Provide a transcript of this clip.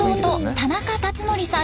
田中辰徳さん